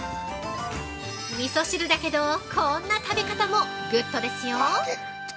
◆みそ汁だけどこんな食べ方もグッドですよ。